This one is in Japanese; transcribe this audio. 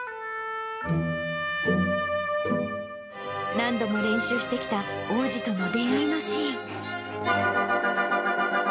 何度も練習してきた王子との出会いのシーン。